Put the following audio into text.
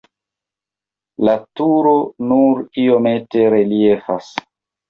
La turo nur iomete reliefas.